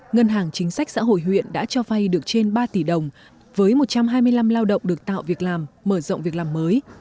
ngân hàng chính sách xã hội huyện đã cho vay được trên ba tỷ đồng với một trăm hai mươi năm lao động được tạo việc làm mở rộng việc làm mới